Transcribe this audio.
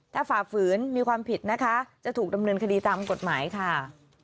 ถ้าฝ่าฝืนมีความผิดนะคะจะถูกดำเนินคดีตามกฎหมายค่ะ